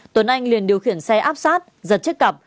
tuấn anh liền điều khiển xe áp sát giật chiếc cặp